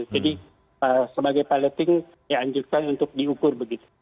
jadi sebagai piloting ya anjurkan untuk diukur begitu